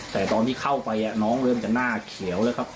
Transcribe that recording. แต่ตอนที่เข้าไปน้องเริ่มจะหน้าเขียวแล้วครับ